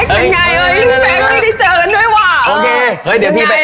แป๊กเราไม่ได้เจอเอิ้นด้วยว่ะ